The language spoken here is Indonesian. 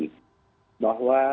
mereka selalu melakukan yang terbaik